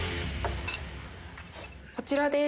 こちらです。